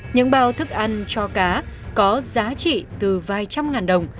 những bao thức ăn cho cá có giá trị từ vài trăm ngàn đồng